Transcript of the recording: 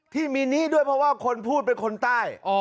ที่มีหนี้ด้วยเพราะว่าคนพูดเป็นคนใต้